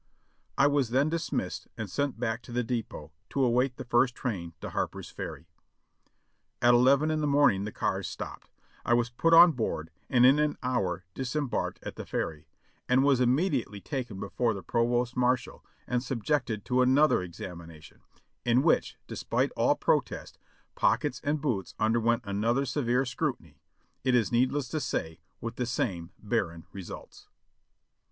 I was then dismissed and sent back to the depot to await the first train to Harper's Ferry. At eleven in the morn ing the cars stopped; I was put on board and in an hour disem barked at the Ferry, and was immediately taken before the pro vost marshal and subjected to another examination, in which, despite all protest, pockets and boots underwent another severe scrutiny, it is needless to say with the same barren results.